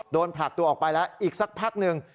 ผลักตัวออกไปแล้วอีกสักพักหนึ่ง